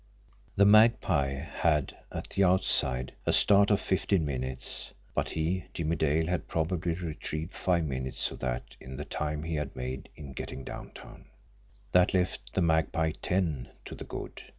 The Magpie had, at the outside, a start of fifteen minutes; but he, Jimmie Dale, had probably retrieved five minutes of that in the time he had made in getting downtown. That left the Magpie ten to the good.